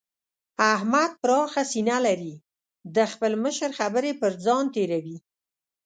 احمد پراخه سينه لري؛ د خپل مشر خبرې پر ځان تېروي.